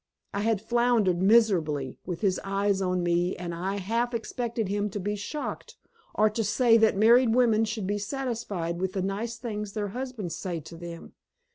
I had floundered miserably, with his eyes on me, and I half expected him to be shocked, or to say that married women should be satisfied with the nice things their husbands say to them.